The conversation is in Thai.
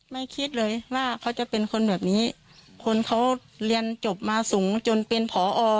ไม่คิดเลยว่าเขาจะเป็นคนแบบนี้คนเขาเรียนจบมาสูงจนเป็นผอ